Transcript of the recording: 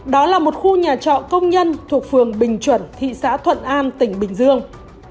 đó là một khu nhà trọ công nhân thuộc phường bình chuẩn thị xã thuận an tỉnh bình dương